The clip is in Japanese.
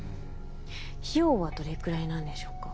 費用はどれくらいなんでしょうか？